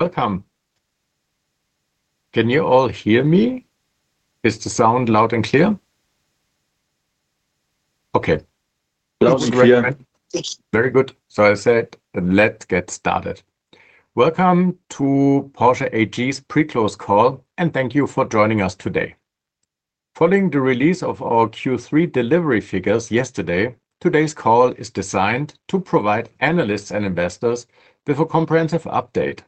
Welcome. Can you all hear me? Is the sound loud and clear? Okay. Loud and clear. Very good. I'll say, let's get started. Welcome to Porsche AG's pre-close call, and thank you for joining today. Following the release of our Q3 delivery figures yesterday, today's call is designed to provide analysts and investors with a comprehensive update.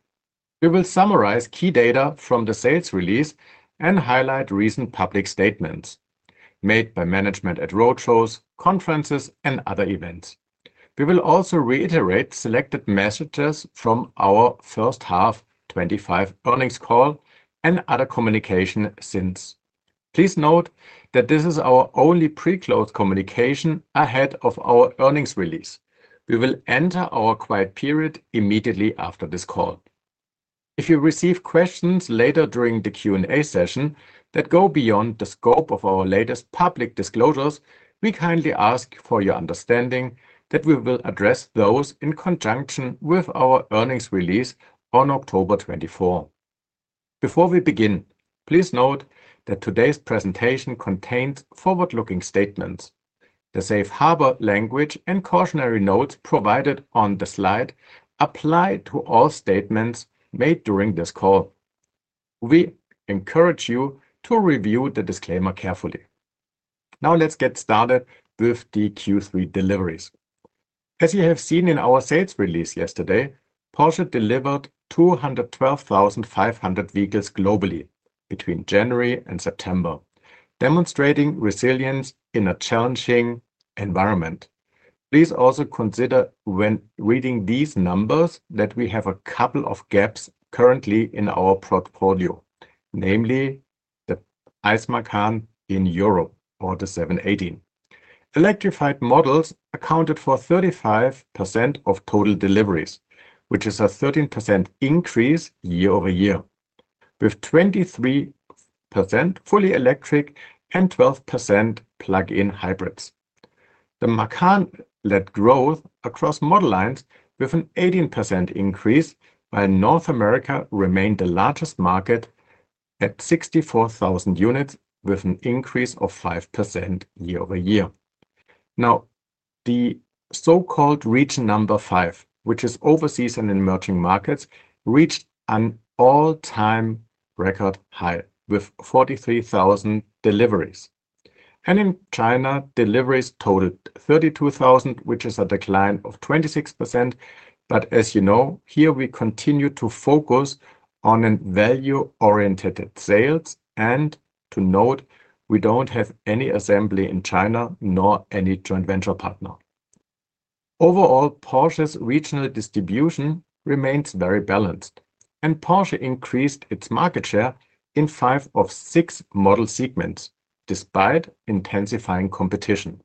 We will summarize key data from the sales release and highlight recent public statements made by management at roadshows, conferences, and other events. We will also reiterate selected messages from our first half 25 earnings call and other communication since. Please note that this is our only pre-close communication ahead of our earnings release. We will enter our quiet period immediately after this call. If you receive questions later during the Q&A session that go beyond the scope of our latest public disclosures, we kindly ask for your understanding that we will address those in conjunction with our earnings release on October 24. Before we begin, please note that today's presentation contains forward-looking statements. The safe harbor language and cautionary notes provided on the slide apply to all statements made during this call. We encourage you to review the disclaimer carefully. Now let's get started with the Q3 deliveries. As you have seen in our sales release yesterday, Porsche delivered 212,500 vehicles globally between January and September, demonstrating resilience in a challenging environment. Please also consider when reading these numbers that we have a couple of gaps currently in our portfolio, namely the ICE Macan in Europe or the 718. Electrified models accounted for 35% of total deliveries, which is a 13% increase year-over-year, with 23% fully electric and 12% plug-in hybrids. The Macan led growth across model lines with an 18% increase, while North America remained the largest market at 64,000 units with an increase of 5% year-over-year. Now, the so-called region number five, which is overseas and emerging markets, reached an all-time record high with 43,000 deliveries, and in China, deliveries totaled 32,000, which is a decline of 26%, but as you know, here we continue to foc on value-oriented sales, and to note, we don't have any assembly in China nor any joint venture partner. Overall, Porsche's regional distribution remains very balanced, and Porsche increased its market share in five of six model segments despite intensifying competition.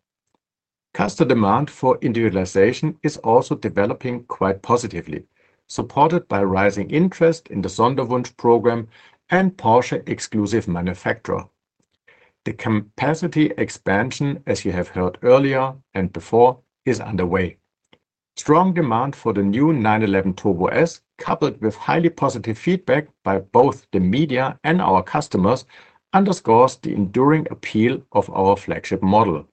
Customer demand for individualization is also developing quite positively, supported by rising interest in the Sonderwunsch program and Porsche Exclusive Manufaktur. The capacity expansion, as you have heard earlier and before, is underway. Strong demand for the new 911 Turbo S, coupled with highly positive feedback by both the media and our customers, underscores the enduring appeal of our flagship model.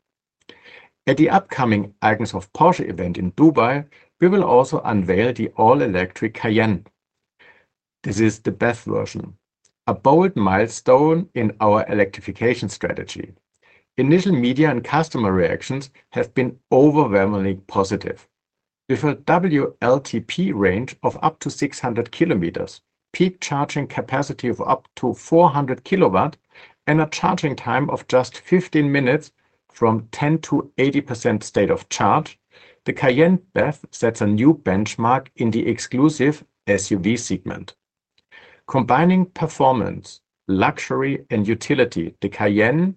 At the upcoming Icons of Porsche event in Dubai, we will also unveil the all-electric Cayenne. This is the best version, a bold milestone in our electrification strategy. Initial media and customer reactions have been overwhelmingly positive. We've got a WLTP range of up to 600 km, peak charging capacity of up to 400 kW, and a charging time of just 15 minutes from 10 to 80% state of charge. The Cayenne BEV sets a new benchmark in the exclusive SUV segment. Combining performance, luxury, and utility, the Cayenne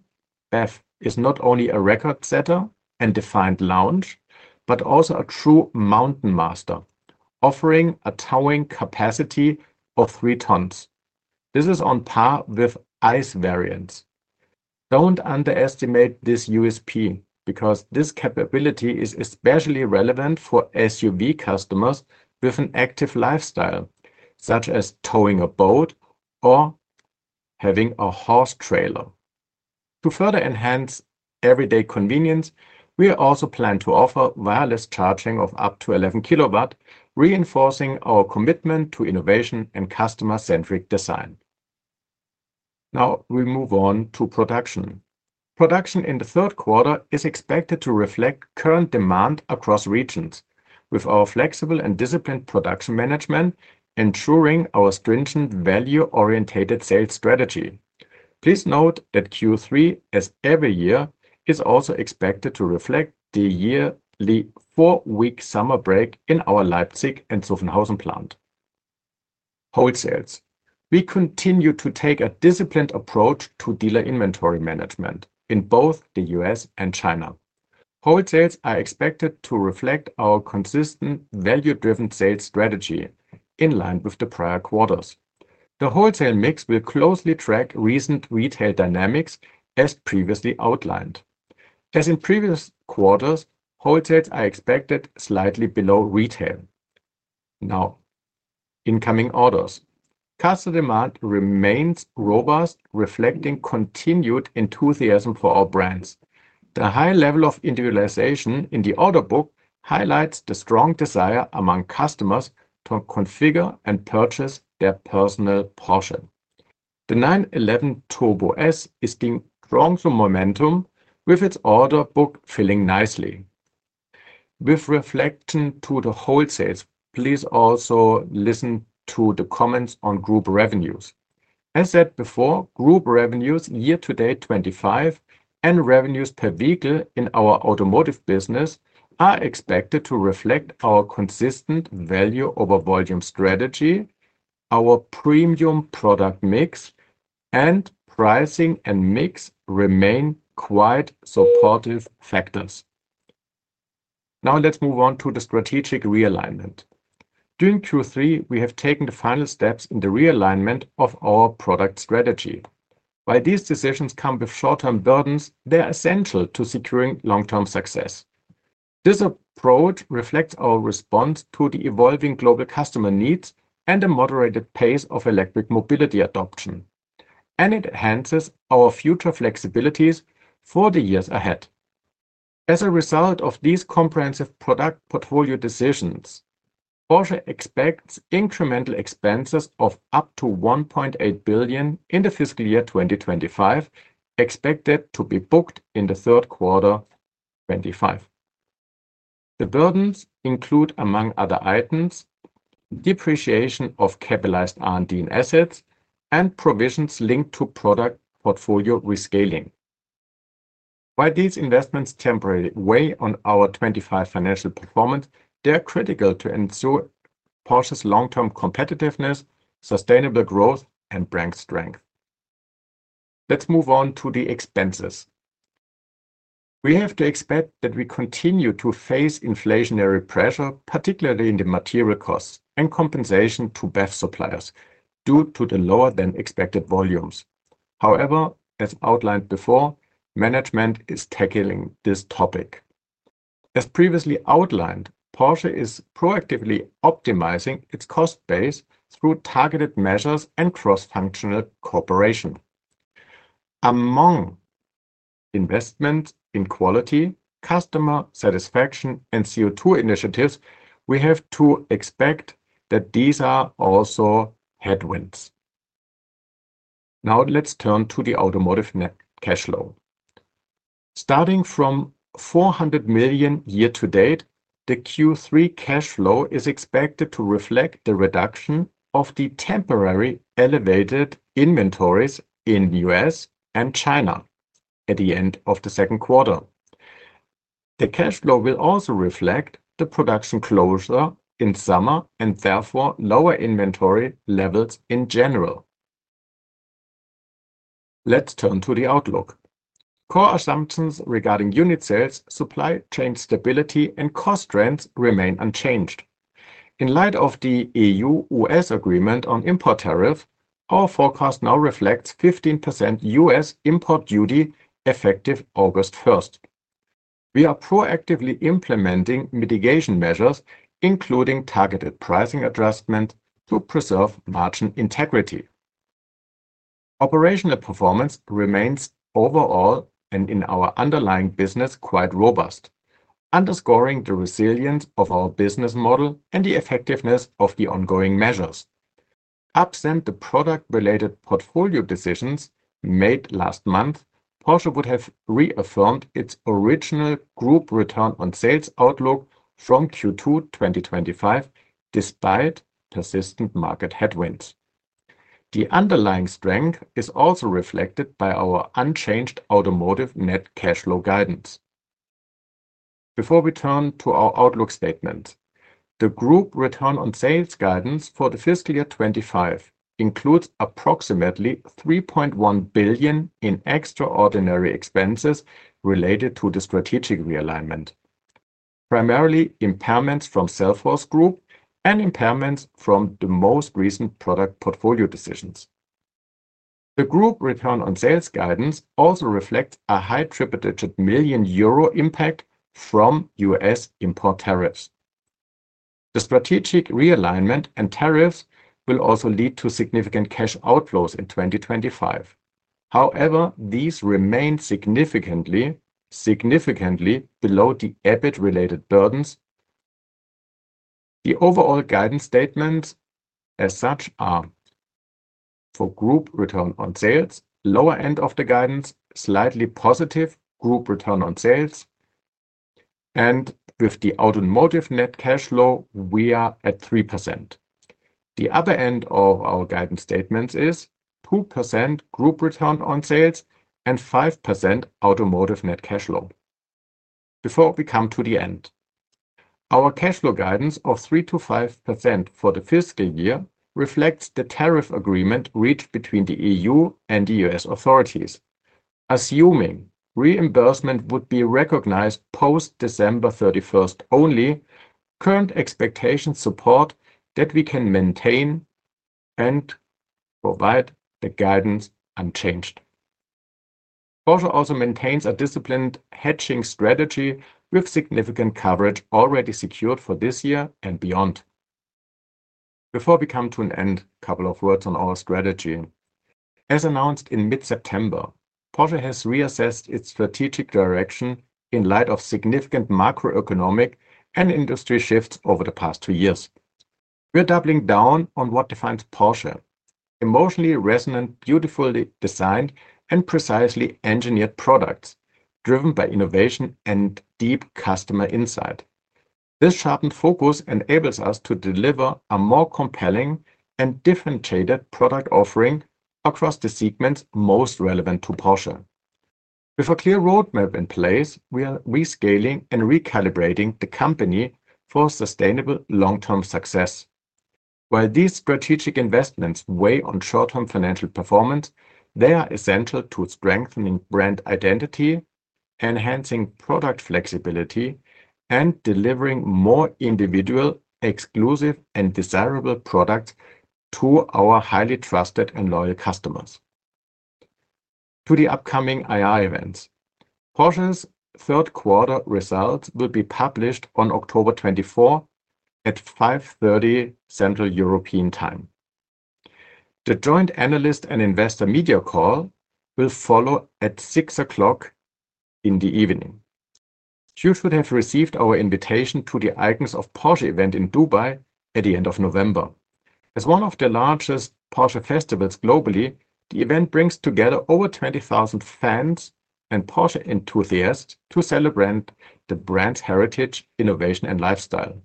BEV is not only a record setter and defined lounge, but also a true mountain master, offering a towing capacity of 3 tons. This is on par with ICE variants. Don't underestimate this USP because this capability is especially relevant for SUV customers with an active lifestyle, such as towing a boat or having a horse trailer. To further enhance everyday convenience, we also plan to offer wireless charging of up to 11 KW, reinforcing our commitment to innovation and customer-centric design. Now we move on to production. Production in the Q3 is expected to reflect current demand across regions, with our flexible and disciplined production management ensuring our stringent value-oriented sales strategy. Please note that Q3, as every year, is also expected to reflect the yearly four-week summer break in our Leipzig and Zuffenhausen plant. Wholesales. We continue to take a disciplined approach to dealer inventory management in both the U.S. and China. Wholesales are expected to reflect our consistent value-driven sales strategy in line with the prior quarters. The wholesale mix will closely track recent retail dynamics, as previously outlined. As in previous quarters, wholesales are expected slightly below retail. Now, incoming orders. Customer demand remains robust, reflecting continued enthusiasm for our brands. The high level of individualization in the order book highlights the strong desire among customers to configure and purchase their personal Porsche. The 911 Turbo S is getting stronger momentum with its order book filling nicely. With respect to the wholesales, please also listen to the comments on group revenues. As said before, group revenues year to date 2025 and revenues per vehicle in our automotive business are expected to reflect our consistent value over volume strategy, our premium product mix, and pricing and mix remain quite supportive factors. Now let's move on to the strategic realignment. During Q3, we have taken the final steps in the realignment of our product strategy. While these decisions come with short-term burdens, they are essential to securing long-term success. This approach reflects our response to the evolving global customer needs and the moderated pace of electric mobility adoption, and it enhances our future flexibilities for the years ahead. As a result of these comprehensive product portfolio decisions, Porsche expects incremental expenses of up to 1.8 billion in the fiscal year 2025, expected to be booked in the Q3 2025. The burdens include, among other items, depreciation of capitalized R&D and assets, and provisions linked to product portfolio rescaling. While these investments temporarily weigh on our 2025 financial performance, they are critical to ensure Porsche's long-term competitiveness, sustainable growth, and brand strength. Let's move on to the expenses. We have to expect that we continue to face inflationary pressure, particularly in the material costs and compensation to BEV suppliers due to the lower than expected volumes. However, as outlined before, management is tackling this topic. As previously outlined, Porsche is proactively optimizing its cost base through targeted measures and cross-functional cooperation. Among investments in quality, customer satisfaction, and CO2 initiatives, we have to expect that these are also headwinds. Now let's turn to the automotive net cash flow. Starting from 400 million year to date, the Q3 cash flow is expected to reflect the reduction of the temporary elevated inventories in the U.S. and China at the end of the Q2. The cash flow will also reflect the production closure in summer and therefore lower inventory levels in general. Let's turn to the outlook. Core assumptions regarding unit sales, supply chain stability, and cost trends remain unchanged. In light of the EU-U.S. agreement on import tariffs, our forecast now reflects 15% US import duty effective August 1st. We are proactively implementing mitigation measures, including targeted pricing adjustment, to preserve margin integrity. Operational performance remains overall and in our underlying business quite robust, underscoring the resilience of our business model and the effectiveness of the ongoing measures. Absent the product-related portfolio decisions made last month, Porsche would have reaffirmed its original group return on sales outlook from Q2 2025 despite persistent market headwinds. The underlying strength is also reflected by our unchanged automotive net cash flow guidance. Before we turn to our outlook statement, the group return on sales guidance for the fiscal year 2025 includes approximately 3.1 billion in extraordinary expenses related to the strategic realignment, primarily impairments from Cellforce Group and impairments from the most recent product portfolio decisions. The group return on sales guidance also reflects a high triple-digit million EUR impact from U.S. import tariffs. The strategic realignment and tariffs will also lead to significant cash outflows in 2025. However, these remain significantly below the EBIT-related burdens. The overall guidance statements as such are for group return on sales, lower end of the guidance, slightly positive group return on sales, and with the automotive net cash flow, we are at 3%. The other end of our guidance statements is 2% group return on sales and 5% automotive net cash flow. Before we come to the end, our cash flow guidance of 3%-5% for the fiscal year reflects the tariff agreement reached between the EU and the U.S. authorities. Assuming reimbursement would be recognized post-December 31st only, current expectations support that we can maintain and provide the guidance unchanged. Porsche also maintains a disciplined hedging strategy with significant coverage already secured for this year and beyond. Before we come to an end, a couple of words on our strategy. As announced in mid-September, Porsche has reassessed its strategic direction in light of significant macroeconomic and industry shifts over the past two years. We're doubling down on what defines Porsche: emotionally resonant, beautifully designed, and precisely engineered products driven by innovation and deep customer insight. This sharpened focus enables us to deliver a more compelling and differentiated product offering across the segments most relevant to Porsche. With a clear roadmap in place, we are rescaling and recalibrating the company for sustainable long-term success. While these strategic investments weigh on short-term financial performance, they are essential to strengthening brand identity, enhancing product flexibility, and delivering more individual, exclusive, and desirable products to our highly trusted and loyal customers. To the upcoming IR events, Porsche's Q3 results will be published on October 24 at 5:30 P.M. Central European Time. The joint analyst and investor media call will follow at 6:00 P.M. You should have received our invitation to the Icons of Porsche event in Dubai at the end of November. As one of the largest Porsche festivals globally, the event brings together over 20,000 fans and Porsche enthusiasts to celebrate the brand's heritage, innovation, and lifestyle.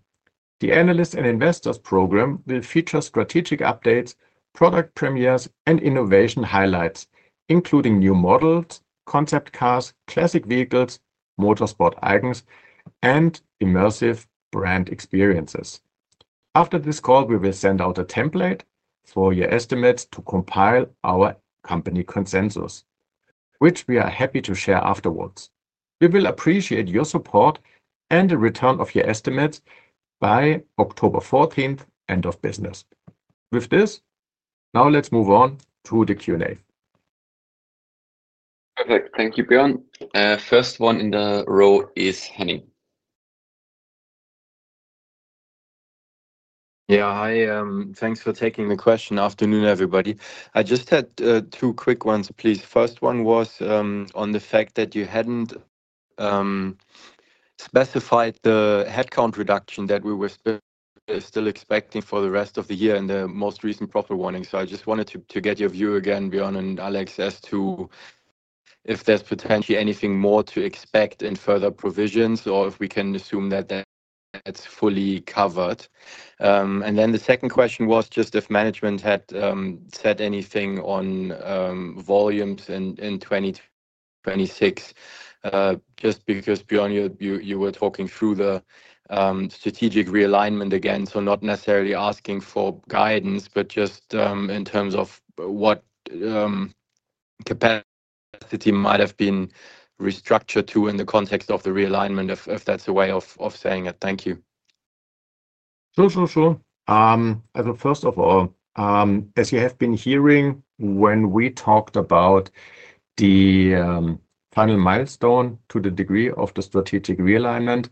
The analyst and investors program will feature strategic updates, product premieres, and innovation highlights, including new models, concept cars, classic vehicles, motorsport icons, and immersive brand experiences. After this call, we will send out a template for your estimates to compile our company consensus, which we are happy to share afterwards. We will appreciate your support and the return of your estimates by October 14th, end of business. With this, now let's move on to the Q&A. Perfect. Thank you, Björn. First one in the row is Henning. Yeah, hi. Thanks for taking the question. Afternoon, everybody. I just had two quick ones, please. First one was on the fact that you hadn't specified the headcount reduction that we were still expecting for the rest of the year and the most recent profit warning. So I just wanted to get your view again, Björn and Alex, as to if there's potentially anything more to expect in further provisions or if we can assume that that's fully covered. And then the second question was just if management had said anything on volumes in 2026, just because, Björn, you were talking through the strategic realignment again, so not necessarily asking for guidance, but just in terms of what capacity might have been restructured to in the context of the realignment, if that's a way of saying it. Thank you. Sure, sure, sure. First of all, as you have been hearing, when we talked about the final milestone to the degree of the strategic realignment,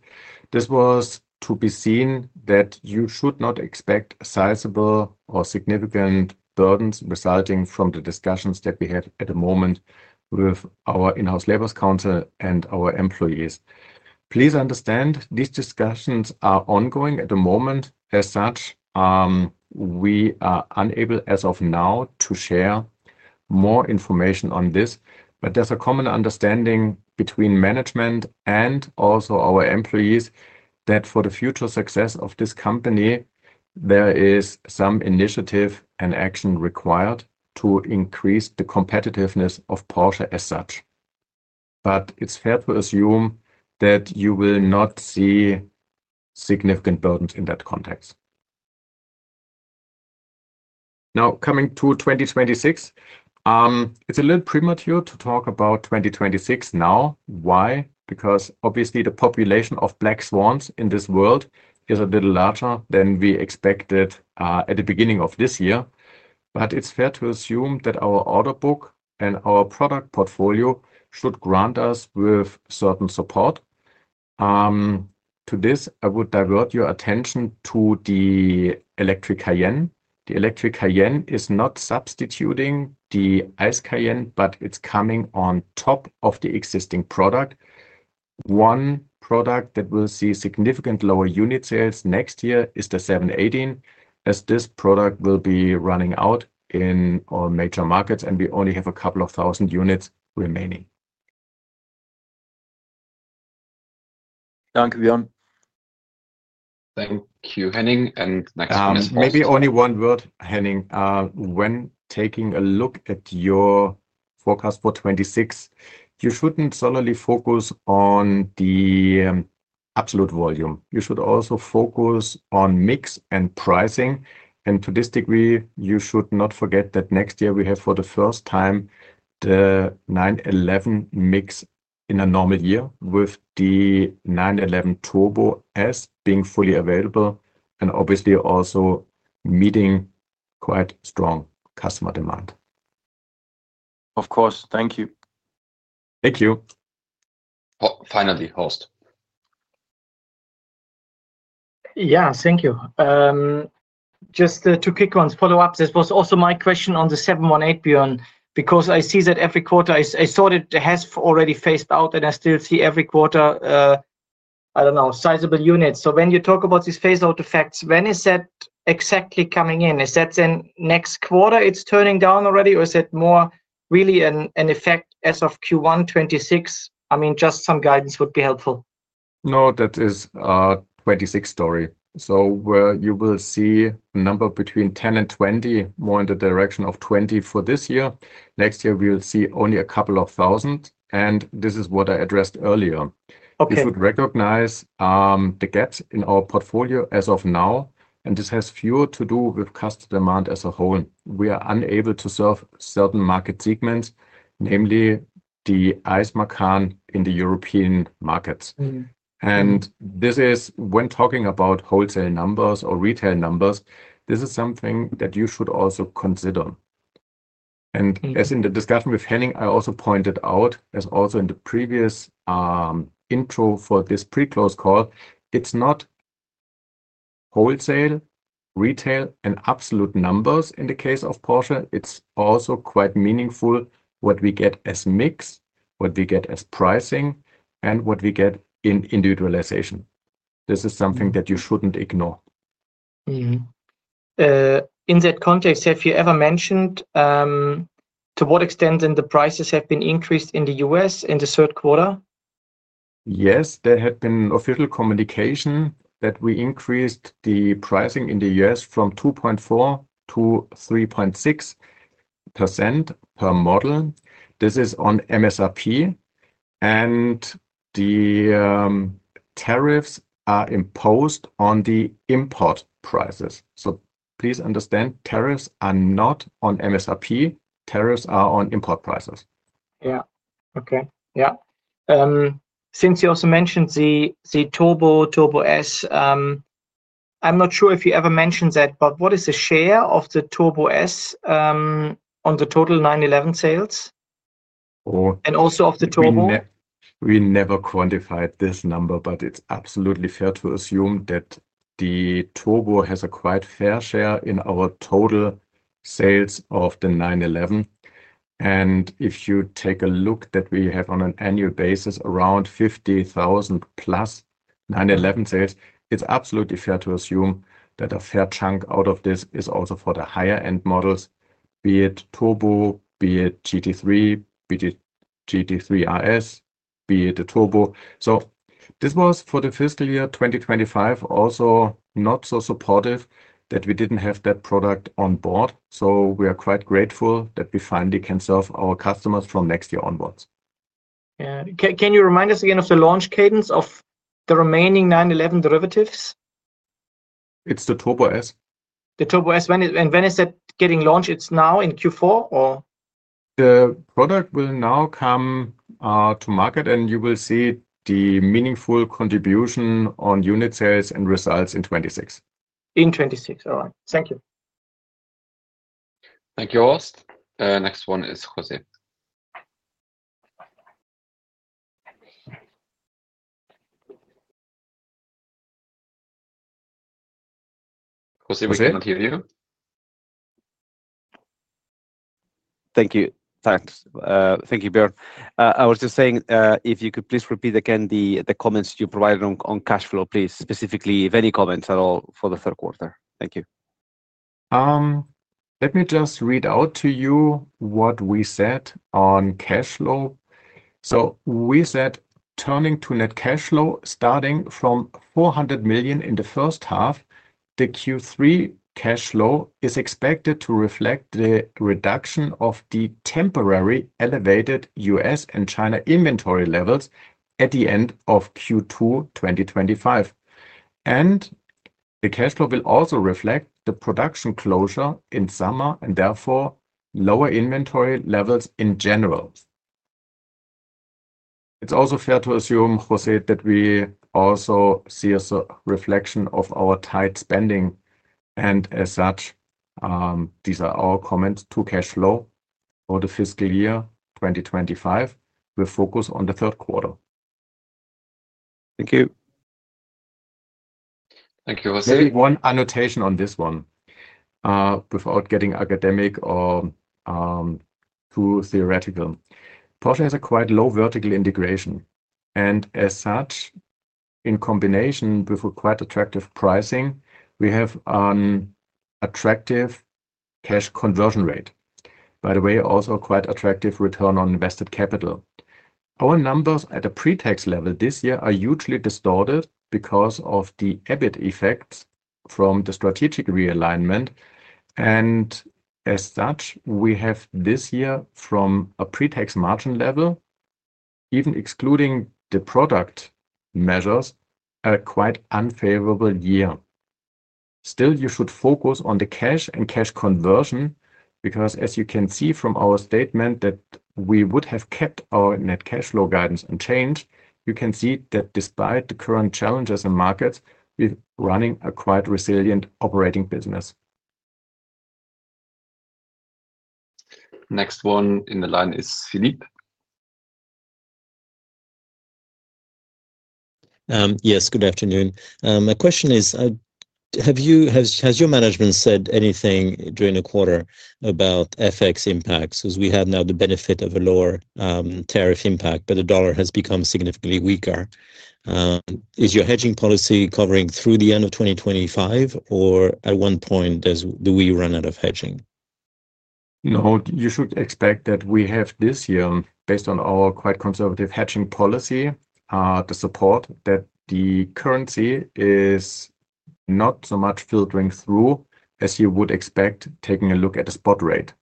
this was to be seen that you should not expect sizable or significant burdens resulting from the discussions that we had at the moment with our in-house works council and our employees. Please understand these discussions are ongoing at the moment. As such, we are unable as of now to share more information on this, but there's a common understanding between management and also our employees that for the future success of this company, there is some initiative and action required to increase the competitiveness of Porsche as such. But it's fair to assume that you will not see significant burdens in that context. Now, coming to 2026, it's a little premature to talk about 2026 now. Why? Because obviously the population of black swans in this world is a little larger than we expected at the beginning of this year. But it's fair to assume that our order book and our product portfolio should grant us with certain support. To this, I would divert your attention to the electric Cayenne. The electric Cayenne is not substituting the ICE Cayenne, but it's coming on top of the existing product. One product that will see significant lower unit sales next year is the 718, as this product will be running out in all major markets and we only have a couple of thousand units remaining. Thank you, Björn. Thank you, Henning. And next question. Maybe only one word, Henning. When taking a look at your forecast for 2026, you shouldn't solely focus on the absolute volume. You should also focus on mix and pricing. To this degree, you should not forget that next year we have for the first time the 911 mix in a normal year with the 911 Turbo S being fully available and obviously also meeting quite strong customer demand. Of course. Thank you. Thank you. Finally, Horst. Yeah, thank you. Just two quick ones. Follow-up. This was also my question on the 718, Björn, because I see that every quarter I saw it has already phased out and I still see every quarter, I don't know, sizable units. So when you talk about these phase-out effects, when is that exactly coming in? Is that then next quarter it's turning down already or is it more really an effect as of Q1 26? I mean, just some guidance would be helpful. No, that is a 26 story. So you will see a number between 10 and 20, more in the direction of 20 for this year. Next year, we will see only a couple of thousand. And this is what I addressed earlier. This would recognize the gaps in our portfolio as of now. And this has fewer to do with customer demand as a whole. We are unable to serve certain market segments, namely the ICE Macan in the European markets. And this is when talking about wholesale numbers or retail numbers, this is something that you should also consider. And as in the discussion with Henning, I also pointed out, as also in the previous intro for this pre-close call, it's not wholesale, retail, and absolute numbers in the case of Porsche. It's also quite meaningful what we get as mix, what we get as pricing, and what we get in individualization. This is something that you shouldn't ignore. In that context, have you ever mentioned to what extent then the prices have been increased in the U.S. in the Q3? Yes, there had been official communication that we increased the pricing in the U.S. from 2.4%-3.6% per model. This is on MSRP. And the tariffs are imposed on the import prices. So please understand, tariffs are not on MSRP. Tariffs are on import prices. Yeah. Okay. Yeah. Since you also mentioned the Turbo S, I'm not sure if you ever mentioned that, but what is the share of the Turbo S on the total 911 sales? And also of the Turbo? We never quantified this number, but it's absolutely fair to assume that the Turbo has a quite fair share in our total sales of the 911. And if you take a look that we have on an annual basis, around 50,000 plus 911 sales, it's absolutely fair to assume that a fair chunk out of this is also for the higher-end models, be it Turbo, be it GT3, be it GT3 RS, be it the Turbo. So this was for the fiscal year 2025, also not so supportive that we didn't have that product on board. So we are quite grateful that we finally can serve our customers from next year onwards. Yeah. Can you remind us again of the launch cadence of the remaining 911 derivatives? It's the Turbo S. The Turbo S. And when is that getting launched? It's now in Q4 or? The product will now come to market, and you will see the meaningful contribution on unit sales and results in 2026. In 2026. All right. Thank you. Thank you, Horst. Next one is José. José, we cannot hear you. Thank you. Thanks. Thank you, Björn. I was just saying, if you could please repeat again the comments you provided on cash flow, please, specifically if any comments at all for the Q3. Thank you. Let me just read out to you what we said on cash flow. So we said turning to net cash flow starting from 400 million in the first half, the Q3 cash flow is expected to reflect the reduction of the temporary elevated U.S. and China inventory levels at the end of Q2 2025. And the cash flow will also reflect the production closure in summer and therefore lower inventory levels in general. It's also fair to assume, José, that we also see a reflection of our tight spending. And as such, these are our comments to cash flow for the fiscal year 2025. We'll focus on the Q3. Thank you. Thank you, José. Maybe one annotation on this one without getting academic or too theoretical. Porsche has a quite low vertical integration, and as such, in combination with quite attractive pricing, we have an attractive cash conversion rate. By the way, also quite attractive return on invested capital. Our numbers at a pre-tax level this year are hugely distorted because of the EBIT effects from the strategic realignment, and as such, we have this year from a pre-tax margin level, even excluding the product measures, a quite unfavorable year. Still, you should focus on the cash and cash conversion because, as you can see from our statement that we would have kept our net cash flow guidance unchanged, you can see that despite the current challenges in markets, we're running a quite resilient operating business. Next one in the line is Philippe. Yes, good afternoon. My question is, has your management said anything during the quarter about FX impacts? Because we have now the benefit of a lower tariff impact, but the dollar has become significantly weaker. Is your hedging policy covering through the end of 2025 or at one point, do we run out of hedging? No, you should expect that we have this year, based on our quite conservative hedging policy, the support that the currency is not so much filtering through as you would expect taking a look at a spot rate.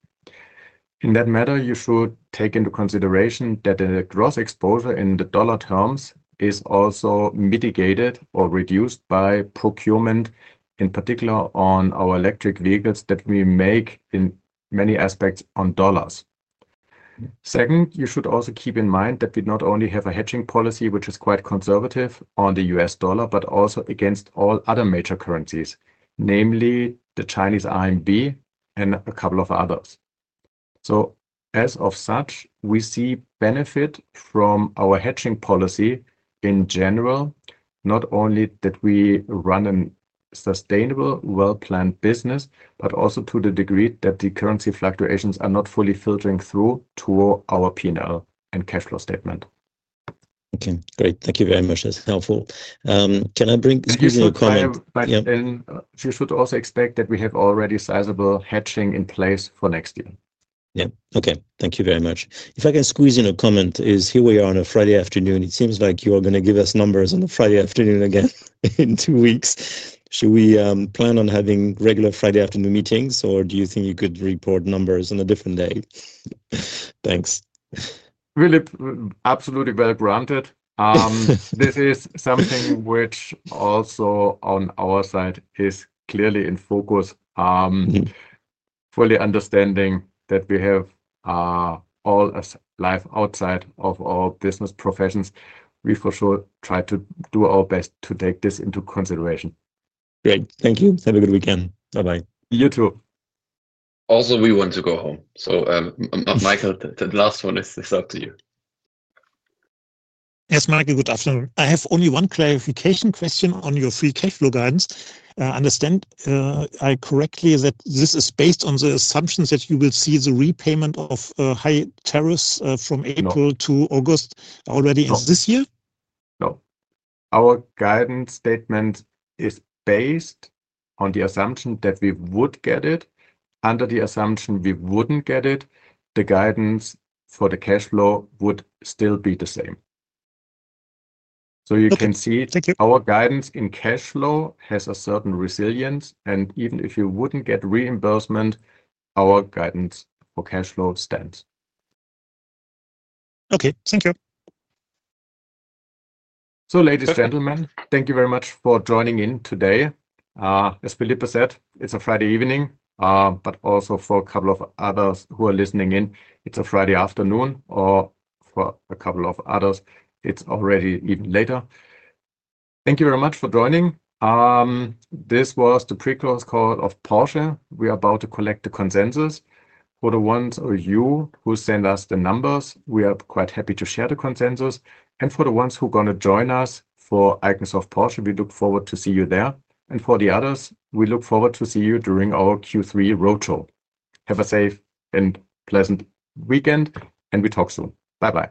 In that matter, you should take into consideration that the gross exposure in the dollar terms is also mitigated or reduced by procurement, in particular on our electric vehicles that we make in many aspects on dollars. Second, you should also keep in mind that we not only have a hedging policy, which is quite conservative on the U.S. dollar, but also against all other major currencies, namely the Chinese RMB and a couple of others. So as such, we see benefit from our hedging policy in general, not only that we run a sustainable, well-planned business, but also to the degree that the currency fluctuations are not fully filtering through to our P&L and cash flow statement. Okay. Great. Thank you very much. That's helpful. Can I bring a comment? But you should also expect that we have already sizable hedging in place for next year. Yeah. Okay. Thank you very much. If I can squeeze in a comment, here we are on a Friday afternoon. It seems like you are going to give us numbers on the Friday afternoon again in two weeks. Should we plan on having regular Friday afternoon meetings, or do you think you could report numbers on a different day? Thanks. Philippe, absolutely, well granted. This is something which also on our side is clearly in focus. Fully understanding that we all live outside of our business professions, we for sure try to do our best to take this into consideration. Great. Thank you. Have a good weekend. Bye-bye. You too. Also, we want to go home. So Michael, the last one is up to you. Yes, Michael, good afternoon. I have only one clarification question on your free cash flow guidance. I understand correctly that this is based on the assumptions that you will see the repayment of high tariffs from April to August already in this year? No. Our guidance statement is based on the assumption that we would get it. Under the assumption we wouldn't get it, the guidance for the cash flow would still be the same. So you can see our guidance in cash flow has a certain resilience. And even if you wouldn't get reimbursement, our guidance for cash flow stands. Okay. Thank you. So ladies and gentlemen, thank you very much for joining in today. As Philippe said, it's a Friday evening, but also for a couple of others who are listening in, it's a Friday afternoon. Or for a couple of others, it's already even later. Thank you very much for joining. This was the pre-close call of Porsche. We are about to collect the consensus. For the ones of you who send us the numbers, we are quite happy to share the consensus. And for the ones who are going to join us for Icons of Porsche, we look forward to see you there. For the others, we look forward to see you during our Q3 roadshow. Have a safe and pleasant weekend, and we talk soon. Bye-bye.